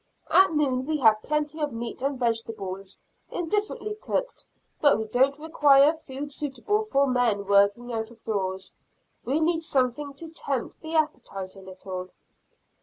At noon we have plenty of meat and vegetables, indifferently cooked, but we don't require food suitable for men working out of doors. We need something to tempt the appetite a little.